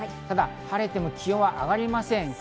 ただ晴れても気温は上がりません。